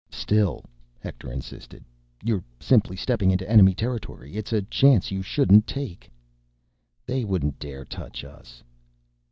"Still," Hector insisted, "you're simply stepping into enemy territory. It's a chance you shouldn't take." "They wouldn't dare touch us."